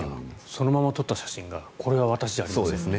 そのまま撮った写真がこれは私じゃありません。